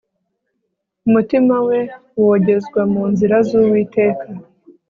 Umutima we wogezwa mu nzira zUwiteka